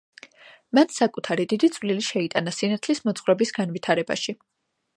მან საკუთარი დიდი წვლილი შეიტანა სინათლის მოძღვრების განვითარებაში.